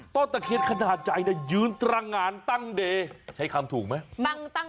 ตะเคียนขนาดใหญ่ยืนตรงานตั้งเดย์ใช้คำถูกไหม